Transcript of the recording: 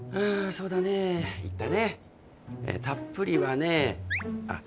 そうだね言ったねたっぷりはねあ